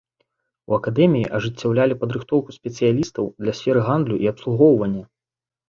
У акадэміі ажыццяўлялі падрыхтоўку спецыялістаў для сферы гандлю і абслугоўвання.